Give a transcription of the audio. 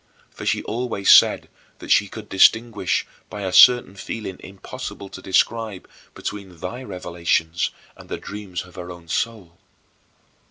For she always said that she could distinguish, by a certain feeling impossible to describe, between thy revelations and the dreams of her own soul.